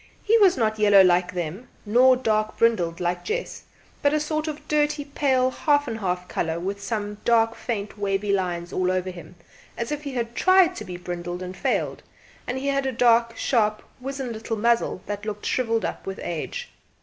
He was not yellow like them, nor dark brindled like Jess, but a sort of dirty pale half and¬ half colour with some dark faint wavy lines all over him, as if he had tried to be brindled and failed; and he had a dark sharp wizened little muzzle that looked shrivelled up with age.